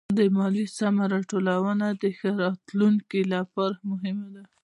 د ماليې سمه راټولونه د ښه راتلونکي لپاره مهمه ده.